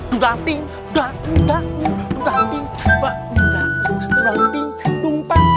dudaping dudaping dudaping daping daping daping daping daping daping